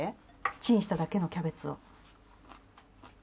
チンしただけのキャベツを。